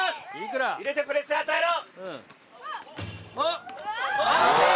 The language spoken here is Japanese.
入れてプレッシャー与えろ！